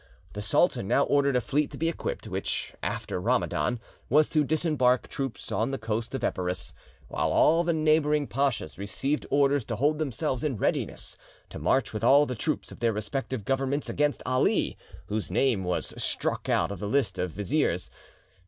The sultan now ordered a fleet to be equipped, which, after Ramadan, was to disembark troops on the coast of Epirus, while all the neighbouring pashas received orders to hold themselves in readiness to march with all the troops of their respective Governments against Ali, whose name was struck out of the list of viziers.